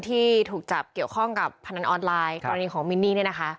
ที่ถูกจับเกี่ยวข้องกับพนันออนไลน์กรณีของมินนี่นะคะ